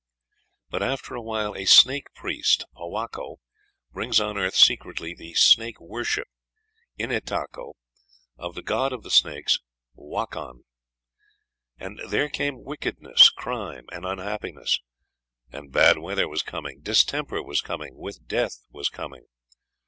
But after a while a snake priest, Powako, brings on earth secretly the snake worship (Initako) of the god of the snakes, Wakon. And there came wickedness, crime, and unhappiness. And bad weather was coming, distemper was coming, with death was coming.